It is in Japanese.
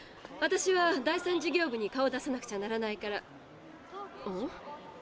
私は第３事業部に顔を出さなくちゃならないから。